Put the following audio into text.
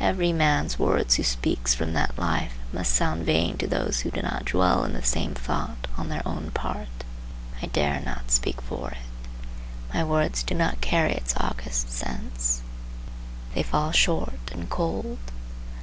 Every man's words who speaks from that life must sound vain to those who do not dwell in the same thought on their own part. I dare not speak for it. My words do not carry its august sense; they fall short and cold.